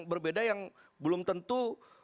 berbeda yang belum tentu